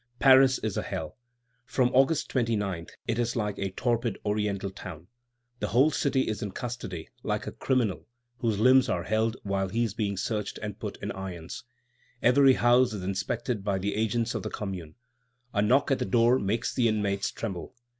Paris is a hell. From August 29, it is like a torpid Oriental town. The whole city is in custody, like a criminal whose limbs are held while he is being searched and put in irons. Every house is inspected by the agents of the Commune. A knock at the door makes the inmates tremble.